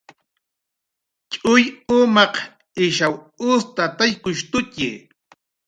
Tx'uy umaq ishaw ustataykushtutxi